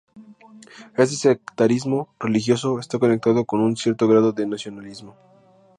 Este sectarismo religioso está conectado con un cierto grado de nacionalismo.